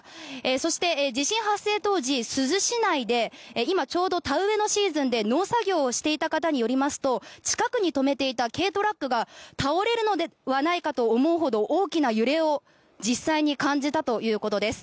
そして、地震発生当時珠洲市内で今、ちょうど田植えのシーズンで農作業をしていた方によりますと近くに止めていた軽トラックが倒れるのではないかと思うほど大きな揺れを実際に感じたということです。